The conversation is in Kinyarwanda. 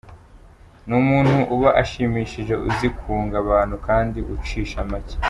Ni umuntu uba ashimishije ,uzi kunga abantu kandi ucisha make.